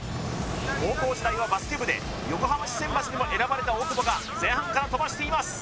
高校時代はバスケ部で横浜市選抜にも選ばれた大久保が前半から飛ばしています